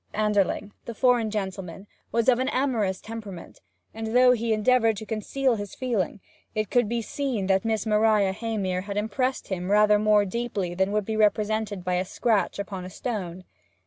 Anderling, the foreign gentleman, was of an amorous temperament; and, though he endeavoured to conceal his feeling, it could be seen that Miss Maria Heymere had impressed him rather more deeply than would be represented by a scratch upon a stone.